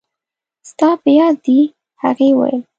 ستا په یاد دي؟ هغې وویل.